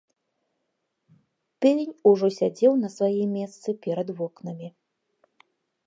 Певень ужо сядзеў на сваім месцы перад вокнамі.